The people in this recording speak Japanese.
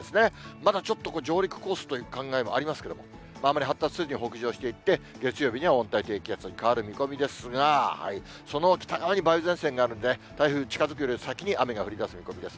まだちょっと上陸コースという考えもありますけれども、あまり発達せずに北上していって、月曜日には温帯低気圧に変わる見込みですが、その北側に梅雨前線があるんで、台風近づくより先に雨が降りだす見込みです。